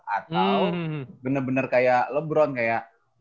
atau bener bener kayak lebron kayak